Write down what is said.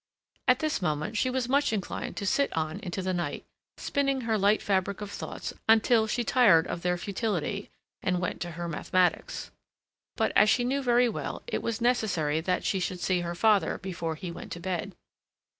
At this moment she was much inclined to sit on into the night, spinning her light fabric of thoughts until she tired of their futility, and went to her mathematics; but, as she knew very well, it was necessary that she should see her father before he went to bed.